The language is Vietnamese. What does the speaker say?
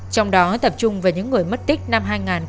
trong đó tập trung vào những người mất tích năm hai nghìn bảy